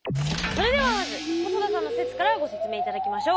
それではまず細田さんの説からご説明いただきましょう。